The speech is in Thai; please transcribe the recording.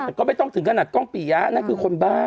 แต่ก็ไม่ต้องถึงขนาดกล้องปียะนั่นคือคนบ้า